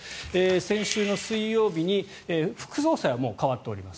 先週の水曜日に副総裁はもう代わっております。